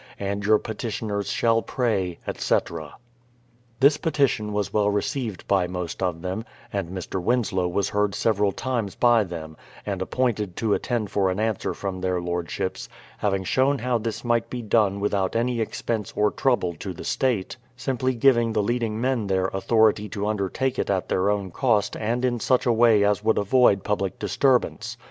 And your petitioners shall pray, etc. This petition was well received by most of them, and Mr. Winslow was heard several times by them, and ap pointed to attend for an answer from their Lordships, having shown how this might be done without any expense or trouble to the state, simply giving the leading men there authority to undertake it at their own cost and in such a way as would avoid public disturbance.